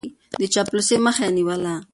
د چاپلوسۍ مخه يې نيوله.